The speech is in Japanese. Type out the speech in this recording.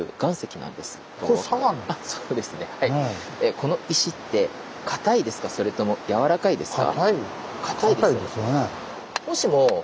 この石って硬いですかそれともやわらかいですか？